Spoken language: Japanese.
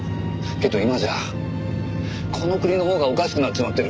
けど今じゃこの国のほうがおかしくなっちまってる。